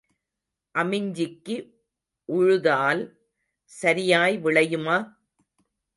அமிஞ்சிக்கு உழுதால் சரியாய் விளையுமா?